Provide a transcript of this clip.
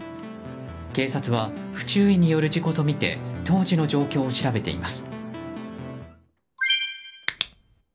警察は不注意による事故とみて当時の状況を調べています。